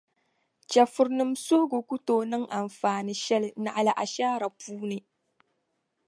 Chεfurinim’ suhigu ku tooi niŋ anfaani shεli naɣila ashaara puuni.